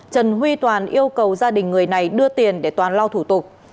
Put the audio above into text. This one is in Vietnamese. trần huy toàn yêu cầu gia đình người này đưa tiền để toàn lao thủ tục